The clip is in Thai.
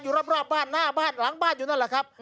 รอบบ้านหน้าบ้านหลังบ้านอยู่นั่นแหละครับ